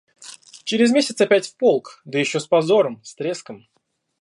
Через месяц опять в полк, да ещё с позором, с треском.